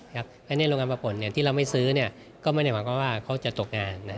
และในโรงงานประป่นที่เราไม่ซื้อก็ไม่ได้หวังว่าเขาจะตกงาน